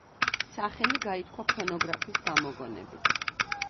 სახელი გაითქვა ფონოგრაფის გამოგონებით.